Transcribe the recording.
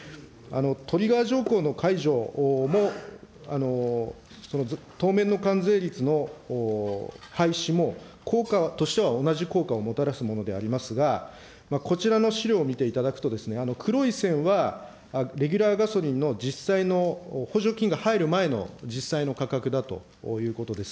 トリガー条項の解除も、とうめんの間税率の廃止も、効果としては同じ効果をもたらすものでありますが、こちらの資料を見ていただくと、黒い線はレギュラーガソリンの実際の、補助金が入る前の実際の価格だということです。